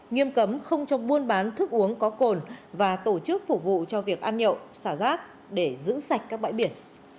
nghiêm cấm không cho buôn bán thức uống có cồn và tổ chức phục vụ cho việc ăn nhậu xả rác để giữ sạch các bãi biển